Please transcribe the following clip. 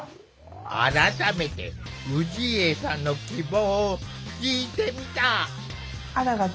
改めて氏家さんの希望を聞いてみた。